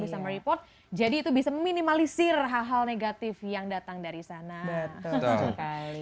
yang membuat jadi itu bisa meminimalisir hal hal negatif yang datang dari sana betul betul